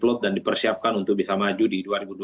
slot dan dipersiapkan untuk bisa maju di dua ribu dua puluh